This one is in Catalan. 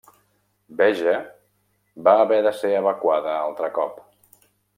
Beja va haver de ser evacuada altre cop.